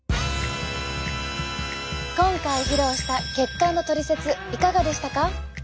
今回披露した血管のトリセツいかがでしたか？